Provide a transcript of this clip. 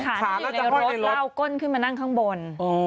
ขานันอยู่ในรถแล้วก้นขึ้นมานั่งข้างบน